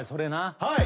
はい。